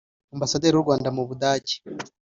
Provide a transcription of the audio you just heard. Ambasaderi w’u Rwanda mu Budage